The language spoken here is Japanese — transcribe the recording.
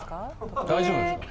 大丈夫ですか？